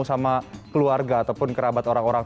sama keluarga ataupun kerabat orang orang